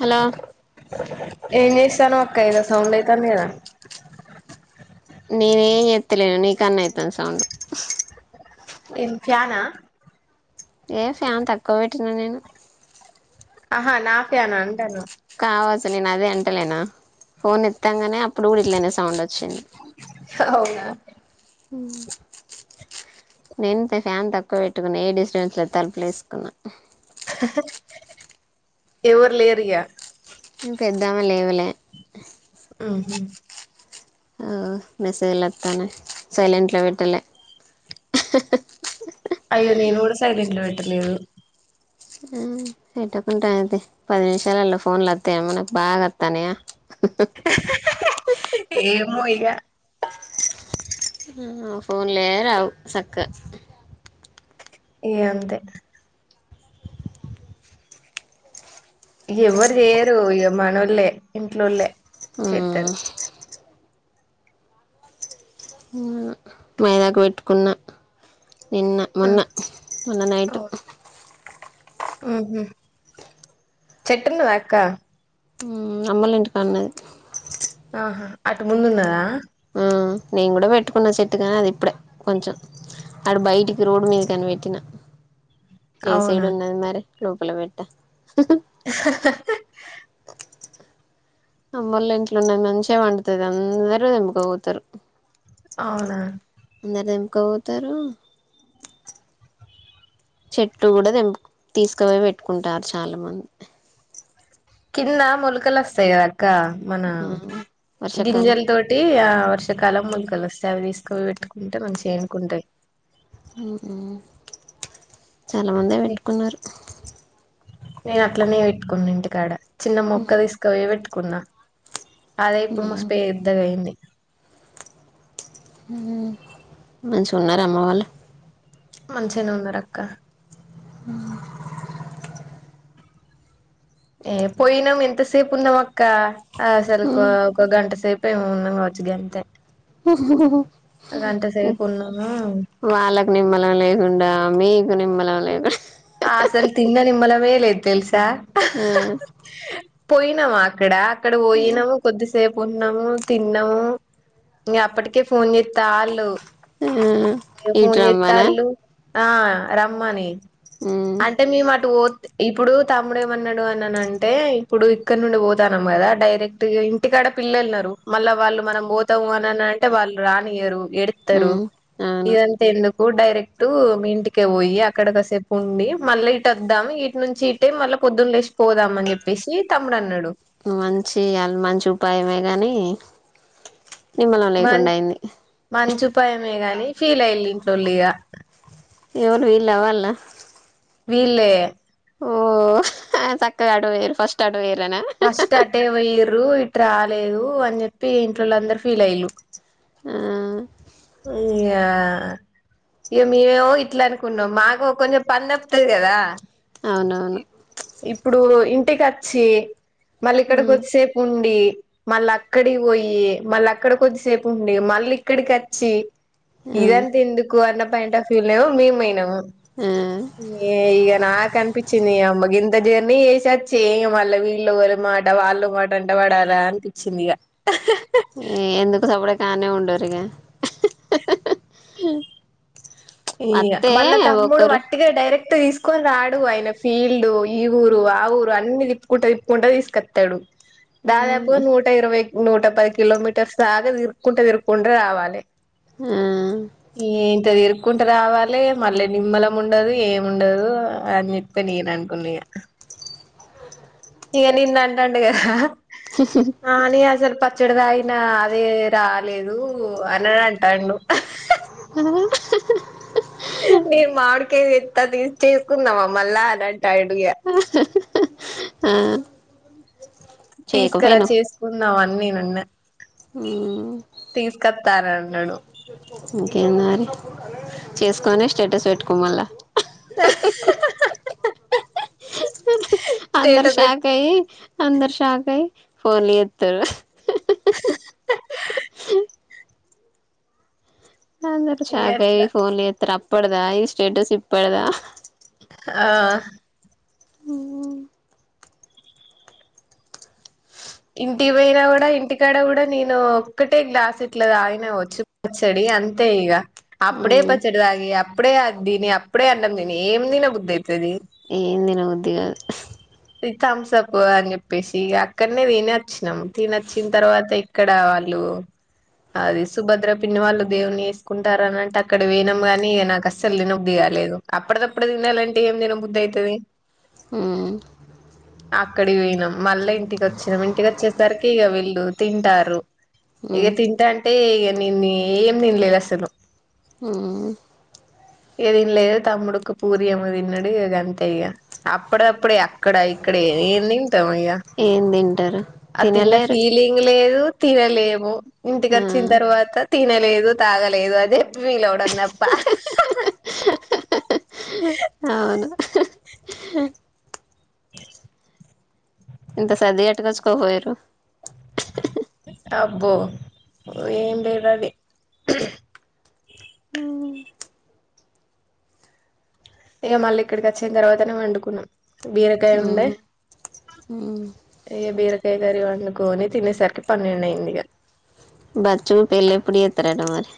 Hello ఏం చేస్తాన్నావ్ అక్క ఏదో సౌండ్ అయితాంది కదా నేనేం చెత్తలేను, నీకాన్నే అయితుంది సౌండ్. ఇది ఫ్యానా? ఏ ఫ్యాన్ తక్కువ పెట్టినా నేను? అహా నా ఫ్యానా అంటన్నా? ఔ [unintelligible] నేను అదే అంటలేనా ఫోన్ ఎత్తాంగానే అప్పుడు కూడా ఇట్లనే సౌం సౌండ్ వచ్చింది. అవునా నేను త ఫ్యాన్ తక్కువ పెట్టుకున్నా, ఏ డిస్టర్బెన్స్ లేదు తలుపులేసుకున్నా. ఎవరు లేరిగా? మీ పెద్దమ్మ లేదు లే ఊహ్మ్ ఆ మెసేజ్ లొత్తన్నై సైలెంట్లో పెట్టలే. అ హ హ హ హా అయ్యో నేను కూడా సైలెంట్ లో పెట్టలేదు. హ్మ్ పెట్టుకుంటే ఏమి తీ పది నిమిషాలలో ఫోన్లు వత్తాన్నాయ మనకు బాగా వత్తాన్నాయా? ఏమో ఇగా హ్మ్ ఫోన్లే రావు సక్క ఇగ అంతే ఇగ ఎవ్వరు చేయరు ఇగ మనం లే ఇంట్లోల్లే. చేత్తరు. మైదాకు పెట్టుకున్న. నిన్న ఆ మొన్న మొన్న నైట్ ఊహ్మ్ చెట్టు ఉన్నదా అక్క. హ్మ్ అమ్మోలింటికా నున్నది. ఆహా అటు ముందున్నదా. హ్మ్ నేను కూడా పెట్టుకున్న చెట్టు కాని అది ఇప్పుడే కొంచెం ఆడ బయటికి రోడ్డుమీదకి అని పెట్టినా. ప్లేస్ అవునా ఏడున్నది మరి? లోపల పెట్టా. అమ్మొళ్ల ఇంట్లోన్నది మంచిగా పండుతది. అందరూ తెంపుకపోతరు. అవునా అందరూ తెంపుకపోతారు, చెట్టు కూడా తెంప్ తీసుకుపోయి పెట్టుకుంటారు చాలా మంది. కింద మొలకలు వస్తాయి గదా ఇంకా మన హ్మ్ వర్షాకాలం గింజలతోటి ఆ వర్ష వర్షాకాలం మొలకలు వస్తాయి అవి తీసుకపోయి పెట్టుకుంటే మంచిగా ఎంటుకుంటాయి హ్మ్మ్ చాలా మంది పెట్టుకున్నారు నేను అట్లనే పెట్టుకున్న ఇంటికాడ చిన్న మొక్క తీసుకపోయి పెట్టుకున్నా అదే ఇప్పుడు మస్తు పెద్దగయింది హ్మ్మ్ మంచిగున్నారా అమ్మవాళ్ళు మంచిగనే ఉన్నరు అక్క హ్మ్మ్ ఏ పోయినం ఎంతసేపు ఉన్నాం అక్క అసలకు హ్మ్ ఒక గంట సేప్ ఏం ఉన్నాం కావచ్చు గంతే గంట సేపు ఉన్నాము వాళ్ళకు నిమ్మలం లేకుండా మీ నిమ్మలం లేదు ఆ అసలు తిన్న నిమ్మలమే లేదు తెలస్ ఆ ఆ పోయినవా అక్కడా ఇక్కడ ఆ పోయినాము కొద్దిసేపు ఉన్నాము తిన్నాము ఇగ అప్పటికే ఫోన్ జెస్తాళ్ళు హ్మ్మ్ ఇట్రమ్మనా ఆ రమ్మనీ అంటే మేమ్ అటుపో ఇప్పుడు తమ్ముడు ఏమన్నాడు అనన అంటే ఇప్పుడు ఇక్కడ నుండి పోతానం కదా డైరెక్ట్ ఇగ ఇంటికాడ పిల్లళ్నన్నారు మళ్ళా వాళ్ళు మనం పోతాము అననంటే వాళ్ళు రానియ్యరు. ఏడుతారు ఉమ్ అవును ఇదంతా ఎందు వు డైరెక్ట్ మీ ఇంటికే పోయి అక్కడ కసేపు ఉండి మళ్ళీ ఇట్ వద్దాం ఇటు నుంచి ఇటే మళ్ళా పొద్దున్న లేషి పోదాం అని చెప్పేసి తమ్ముడు అన్నాడు మంచి అల్ మంచి ఉపాయమే గాని నిమ్మలం మం లేకుండా అయింది మంచి ఉపాయమే గాని ఫీల్ అయల్ ఇంట్లోలిగా ఎవరు వీళ్ళ వాళ్ళ వీళ్లే ఓ చక్కగా అటు పోయిండ్రు ఫస్ట్ అటు పోయిర్రనా ఫస్ట్ అటే వోయ్యిర్రు ఇటు రాలేదు అని చెప్పి ఇంట్లోళ అందరు ఫీల్ అయ్యలు ఆ ఇగ ఆ ఇగ మేమే ఇట్లా అనుకున్నాం మాకు కొంచం పని తప్పుదది కదా అవునవును ఇప్పుడు ఇంటికి అచ్చి మళ్ళ ఇక్కడ ఉమ్ కొద్దిసేపు ఉండి మళ్ళా అక్కడికి బొ యి మళ్ళ అక్కడ కొద్దిసేపు ఉండే మళ్ళీ ఇక్కడికి వచ్చి ఉమ్ ఇదంతిందుకు అన్నప్ పెంట్ అఫ్ వ్యూలో మేమ్ బొయేనామ్ ఉమ్ ఏ ఇగ నాక్ అనిపించింది అమ్మ గింద జర్నీ జెసచ్చి ఇగ మళ్ల వీల్ ఇలుగరి మాట వాళ్ళు మాట అంట పడాలా అనిపిచ్చింది ఇగ ఈ ఎందుకు సప్ డేక అనే ఉండరిగా ఇగ మళ్ళా తమ్ముడు వట్టిగా డైరెక్ట్ తీస్ కొని రాడు ఆయన ఫీల్డ్ ఈ ఊరు ఆ ఊరు అన్ని తిప్పుకుంటూ తిప్పుకుంటూ తీసుకతడు దాదాపుగా ఉమ్ నూట ఇరవై నూట పది కిలోమీటర్స్ దాగా దిరుకుంట దిరుకుంట రావాలి ఉమ్ ఏంత తెరు కుంట రావాలి మళ్ళీ నిమ్మలం ఉండదు ఏమిండదు అని చెప్పి నేను అనుకున్నా ఇగ ఇక నింద అంటండు గద ఆ ని అసలు ప చడ దాగిన అదే రాలేదు అని అనడంట నను మ నీ మాడుకాయ దెత్ అ తీసుకున్నవ మళ్ళ అనడ్ టైడు ఇగ ఆ తీసకరా చేయకపోయినవ్ చేసుకుందాం అన్నీ అన్న ఉమ్ తీసుకతరన్నను ఇంకేంది మరి చేసుకొని స్టేటస్ పెట్టుకో మళ్ళా అందరు స్టేటస్ పెట్ షాక్ అయి అందరు షాకాయి ఫోన్లు చేతరు [unintelligible] అ అందరూ ఇగ షాక్ అయ్యి అట్లా ఫోన్లు చేతరు అప్ ఇప్పడదా ఈ స్టేటస్ ఇప్పడదా ఆ ఊ ఇంటికి పోయినా కూడా ఇంటికాడ కూడా నేను ఒక్కటే గ్లాస్ ఇట్లా తాగిన వచ్చు పచ్చడి అంతే ఇగ అప్పుడే మ్మ్ పచ్చడ్దాగి అప్ అప్పుడే ఆదీని, అప్పుడే అన్నం తిని, ఏం తిన బుద్ధయితాది. ఏం దినబుద్ది గాదు ఇది థమ్స్ అప్ అని చెప్పేసి ఇగా అక్కడనే తిని వచ్చినాము. తిని వచ్చిన తర్వాత ఇక్కడ వాళ్ళు. అది సుభద్ర పిన్ని వాళ్ళు దేవుని వేసుకుంటారనంటే అక్కడ పోయినము. కాని నాకు అస్సలు తిన బుద్ధి కాలేదు. అప్పటిదప్పుడే తినాలంటే ఏం తిన బుద్ధి అయితాది. ఉమ్ అక్కడ్కి పోయినాం. మళ్ళా ఇంటికి వచ్చినాం. ఇంటికి వచ్చేసరికి ఇగా వీళ్ళు తింటారు. ఇగ మ్మ్ తింటాంటే ఇగ్ నిన్నేం తినలేదసలు ఉమ్ ఇగ తిన్లేదు. తమ్ముడు ఒక పూరీ ఏమో తిన్నడు. ఇక గంతే ఇగ అప్పుదప్పుడే. అ అక్కడ ఇక్కడ ఏం తింటాం ఇగా ఏం తింటారు ఆ తిన్న తినలేరు ఫీలింగ్ లేదు. తినలేము ఇంటికి ఆ వచ్చిన తర్వాత తినలేదు, తాగలేదు అదే ఫీల్ అవడం. తప్పా అవును ఇ ఇంత సది అటుకొచ్చుకోపొయ్యిరు. అబ్బో ఏం లేదది ఇగ మళ్ళీ ఇక్కడికి వచ్చిన తర్వాతనే వండుకున్నాం. బీరకాయ ఉండే మ్మ్ మ్మ్ ఇగా బీరకాయ కరి వండుకోని తినేసరికి పన్నెండయింది. ఇగ బచ్చు పెళ్లెప్పుడు చేతరాట మరి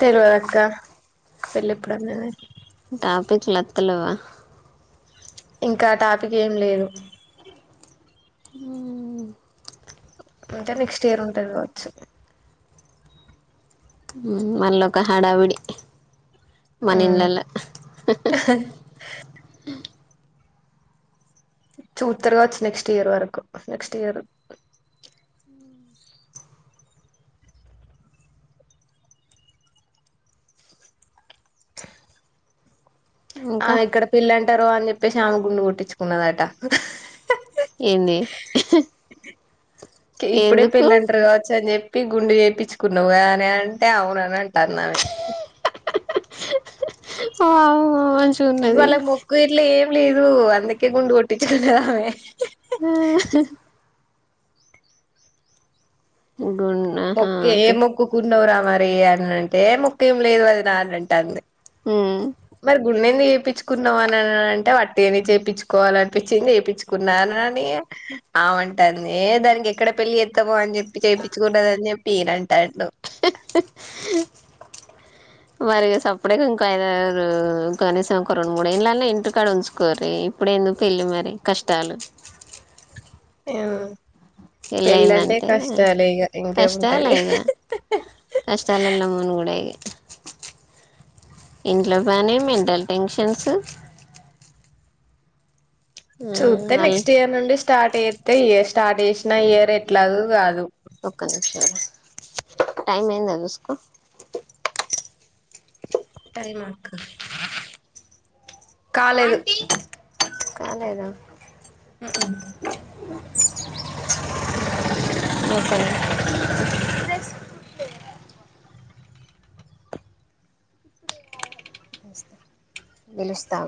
తెల్వదక్క పెళ్లెప్పుడన్నాది టాపిక్ లతలేవా ఇంకా టాపిక్ ఏం లేదు. అంటే నెక్స్ట్ ఇయర్ ఉంటది కావచ్చు. మళ్ళ ఒక హడావిడి ఉమ్ మనఇళ్లల చూతరు గావచ్చు నెక్స్ట్ ఇయర్ వరకు నెక్స్ట్ ఇయర్ ఆ ఇంకా ఇక్కడ పెళ్ళాంట్ టారు అని చెప్పిసి ఆమె గుండు కొట్టించుకున్నదట. ఏంది ఇప్పుడే ఎందుకు పెళ్ళంటారు కావచ్చు అని చెప్పి గుండు చేయించుకున్నావ్ గదనే అంటే అవునని అంటంన్దామె. ఆహ్ ఇవాలే మొక్కు ఇట్లే ఏం లేదు అందకే గుండు కొటిచ్చుకున్నదామె ఆయ్యో మొక్క ఏ ఏ మొకు ఏమన్నా అని అంటే ముక్క ఏం లేదు వదిన అని అంటాంది హు గుండు ఎందుకు చేపించుకున్నావు అని అంటే వట్ ఏని చేపించికోవాలనీ అనిపించింది చేయించుకున్న అని ఆమె అంటాంది దానికి ఎక్కడ పెళ్లి చేత్తామో అని చెప్పి చేపించికున్నద పేరంటాళ్ళు మరి సప్పుడే ఇంకా ఐదరు కనీసం ఒక రెండు మూడు ఏండ్లు అన్న ఇంటికాడ ఉంచుకోరు ఇప్పుడు ఎందుకు పెళ్ళి మరి కష్టాలు ఆ పెళ్ళి అయిందంటే కష్టాలు ఇంకేముంటది ఇక కష్టాలలో మునుగూడు ఇగ ఇంట్లో పని మెంటల్ టెన్షన్స్ ఉమ్ చూతే వాళ్ నెక్స్ట్ ఇయర్ నుండి స్టార్ట్ చెత్తే ఇయార్ స్టార్ట్ చేసిన ఇయర్ ఎట్లాగో కాదు ఒక్క నిమిషం టైమ్ అయింది ఏమో చూసుకో టైమా ఆ ఆంటీ కాలేద ఉ ఊ ఒక్క నిమిషం వెళ్ళొస్తా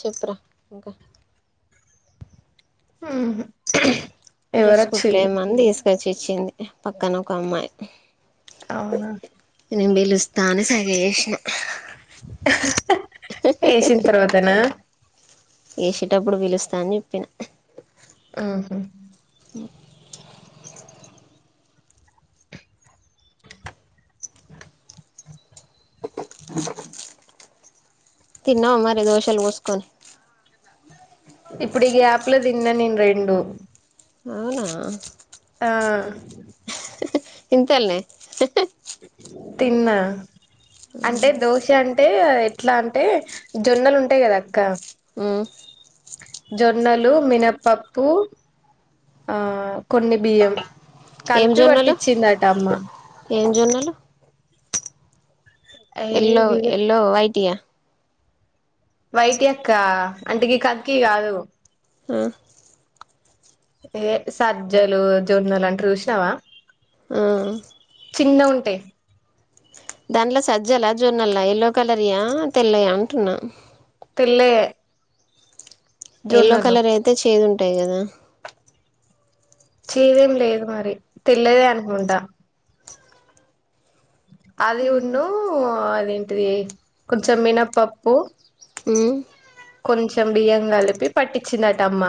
చెప్పు రా ఇంకా ఉ డ్రెస్ కుట్లే ఏమందిసు తేచ్చి ఇచ్చింది పక్కన ఒక అమ్మాయి అవునా నీను పిలుస్తా అనీ సైగచేసిన వేసిన తర్వాతనా వేసేటప్పుడు పిలుస్తా అని చెప్పిన ఆహా ఉ తిన్నావా మరి దోశలు పోసుకొని ఇప్పుడు ఈ గ్యాప్ లో తిన్నా నేను రెండు అవునా ఆ ఇంతల్ నే అ అంటే దోశ అంటే ఎట్లా అంటే జొన్నలు ఉంటాయి కదా అక్క ఉ జొన్నలు మినపప్పు ఆ కొన్ని బియ్యం ఏం కలిపి జొన్నలు పట్టించిిందట అమ్మ ఏం జోన్నాలు ఏ ఎల్లో గివే ఎల్లో వైటియా వైటి అక్క అంటె గీ కక్కి కాదు ఆ ఏ సజ్జలు జొన్నలు అంట్రు చుసినావా ఆ చిన్నగ ఉంటాయి దాంట్లో సజ్జలా జొన్నల్లా ఎల్లోకలర్ యా తెల్లయా అంటున్నా తెల్లయే ఎల్లో జొన్నలు కలర్ అయితే చేదు ఉంట్ టాయి కదా చేదేం లేదు మరి తెల్లదే అనుకుంటా అది ఉన్ను అది అది కొంచెం మినపప్పు ఉమ్ కొంచెం బియ్యం కలిపి పట్టించిందటమ్మ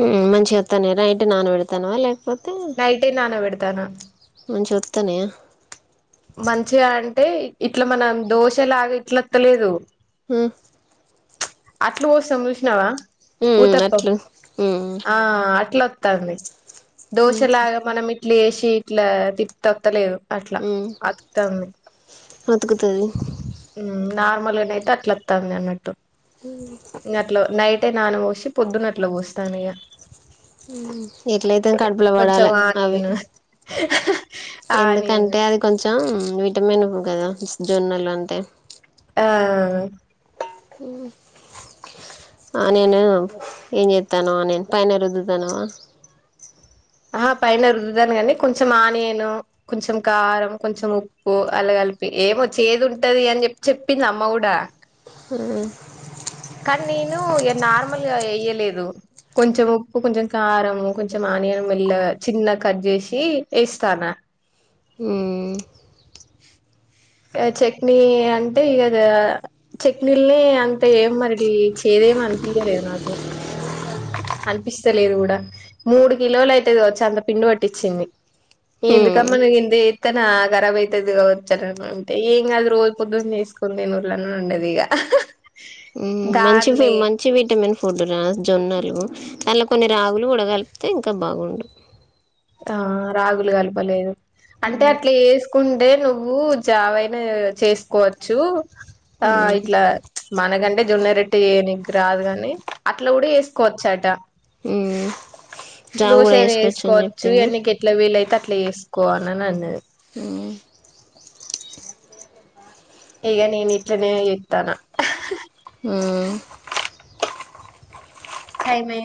ఉమ్ మంచిగా అత్తనై నైట్ నానా పెడతానవ లేక నైట్ ఏ నానా పెడుతా తన మంచిగ అత్తనయ మంచిగా అంటే ఇట్లా మనం దోశలాగా ఇట్లాత్తలేదు హు చ్ అట్లు బోస్తాం చూష్నవ ఉ అట్లు ఉ తాంది దోషలాగ మనమిట్ ఇట్లేసి ఇట్లా తిప్తత్తలేదు ఉమ్ అతుకతాంది అతుకుతది ఉమ్మ్ నార్మల్గ నైతె అట్ల అత్తంది అన్నట్టు హు టే నాన పోసి పొద్దున అట్ల పోస్తానిగ ఉమ్మ్ ఎట్లయితేం కడుపులో పడాల అవి హ్ హ హ ఎందుకంటే అది కొంచెం విటమిన్ గదా జొన్నలు అంటే ఆ ఆ నేను ఏం చెత్తానో నేను పైన రుద్దుతానో ఆహా పైన రుద్దుతాను కాని కొంచెం ఆనియను కొంచెం కారం కొంచెం ఉప్పు అలా కలిపి ఏవో చేదుంటది అని చెప్ చెప్పింది అమ్మ కూడ ఆ కానీ నేను ఇగ నార్మల్గ ఏయలేదు కొంచెం ఉప్పు కొంచెం కారం కొంచెం ఆనియన్ మెల్లగ చిన్నగ కట్ చేసి ఏస్తాన్నా మ్మ్ అ చట్నీ అంటే ఇకదా అ చట్నీల్ని అంత ఏం మరిడీ చేదేం అనిపియలేద్ నాకు అనిపిస్తలేదు కూడ మూడు కిలోలు అయితది వచ్చేంత పిండి పట్టిచ్చింది ఉమ్ ఏందుకమ్మా నువ్గింది త్తనా కరాబ్ అయితది కావచ్చ రవ్వ అంతే ఏం కాదు రోజు పొద్దున్న చేసుకోని తినుర్రీ అని అన్నదిగా ఇగ మంచి ఫిం దాన్నే మంచి విటమిన్ ఫుడ్ నా జొన్నలు అలా కొన్ని రాగులు కూడ కలిపితే ఇంకా బాగుండు ఆ రాగులు కలపలేదు అంటే ఉమ్ అట్ల ఏసుకున్ టే నువ్వు జావయినా అ చేసుకోవచ్చు ఆ ఉమ్ ఇట్లా చ్ మనగంటే జొన్న రొట్ అంటే ఏయనిక్ రాదు గాని అట్ల కూడ చేసుకోవచ్చట మ్మ్ దోశని వేసుకోవచ్చు ఇగ నీకు ఎట్లా వీలైతే అట్ల ఏస్ కోఆన అన్నది హ్మ్ ఇగ నేను ఇట్లనే చేత్తన మ్మ్ టైం అయి